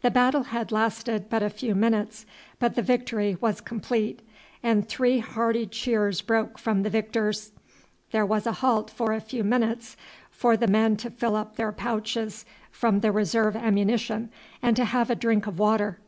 The battle had lasted but a few minutes, but the victory was complete, and three hearty cheers broke from the victors. There was a halt for a few minutes for the men to fill up their pouches from the reserve ammunition and to have a drink of water.